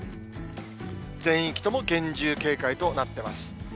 全域とも厳重警戒となってます。